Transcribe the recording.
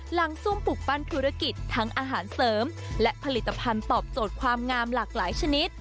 ซุ่มปลูกปั้นธุรกิจทั้งอาหารเสริมและผลิตภัณฑ์ตอบโจทย์ความงามหลากหลายชนิด